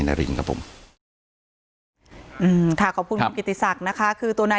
นารินครับผมอืมค่ะขอบคุณคุณกิติศักดิ์นะคะคือตัวนาย